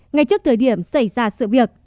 ngay trước thời điểm xảy ra sự việc